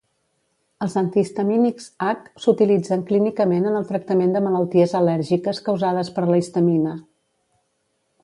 Els antihistamínics H s'utilitzen clínicament en el tractament de malalties al·lèrgiques causades per la histamina.